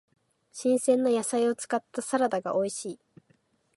新鮮な野菜を使ったサラダが美味しい。